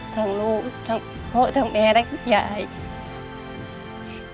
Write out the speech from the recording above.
ทั้งลูกทั้งพ่อทั้งแม่ทั้งยาย